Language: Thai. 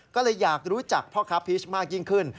ก็เลยอยากรู้จักพ่อค้าพีชมากยิ่งขึ้น